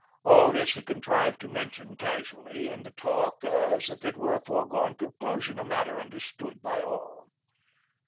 All this he contrived to mention casually, in the talk, as if it were a foregone conclusion, a matter understood by all.